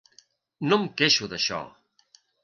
No em queixo d'això.